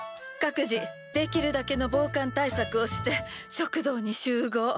各自できるだけの防寒対策をして食堂に集合。